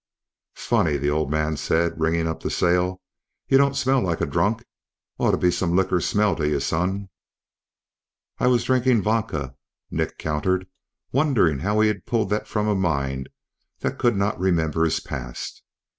"S'funny," the old man said, ringing up the sale, "ye don't smell like a drunk. Ought t'be some likker smell to y'son." "I was drinking vodka," Nick countered, wondering how he had pulled that from a mind that could not remember his past.